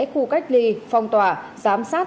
khu cách ly phong tỏa giám sát